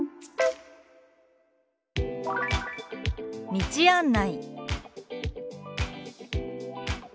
「道案内」。